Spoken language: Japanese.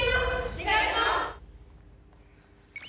・お願いします！